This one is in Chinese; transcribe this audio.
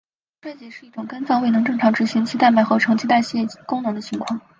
肝衰竭是一种肝脏未能正常执行其蛋白合成以及代谢功能的情况。